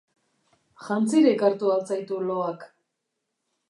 Jantzirik hartu al zaitu loak?